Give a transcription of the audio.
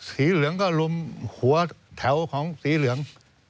เหลืองก็ลุมหัวแถวของสีเหลือง